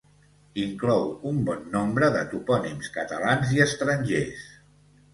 Inclou un bon nombre de topònims catalans i estrangers